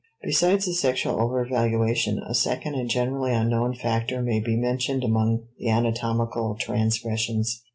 Besides the sexual overvaluation, a second and generally unknown factor may be mentioned among the anatomical transgressions.